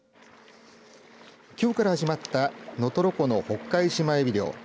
きょうから始まった能取湖のホッカイシマエビ漁。